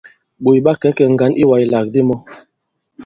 Ɓòt ɓa kɛ̀ ikè ŋgǎn iwàslàgàdi mɔ.